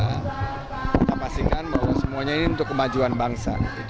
kita pastikan bahwa semuanya ini untuk kemajuan bangsa